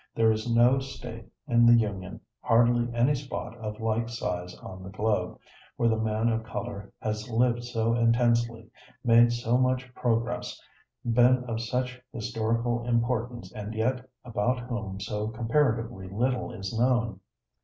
There is no State in the Union, hardly any spot of like size on the globe, where the man of color has lived so intensely, made so much progress, been of such historical importance and yet about whom so comparatively little is known.